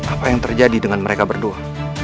apa yang terjadi dengan mereka berdua